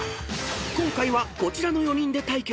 ［今回はこちらの４人で対決］